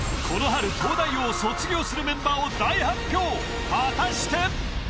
この春「東大王」を卒業するメンバーを大発表果たして？